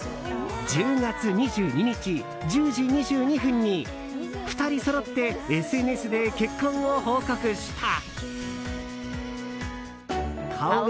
１０月２２日１０時２２分に２人そろってＳＮＳで結婚を報告した。